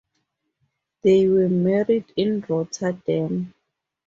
They were married in Rotterdam.